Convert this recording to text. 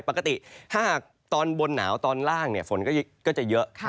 ปกติถ้าตอนบนหนาวตอนล่างฝนก็จะเยอะ